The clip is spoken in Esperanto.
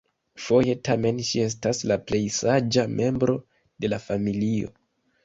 Foje tamen ŝi estas la plej saĝa membro de la familio.